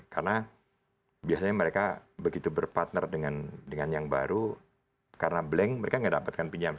karena biasanya mereka begitu berpartner dengan yang baru karena blank mereka tidak dapatkan pinjaman